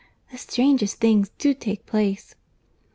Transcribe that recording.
—The strangest things do take place!"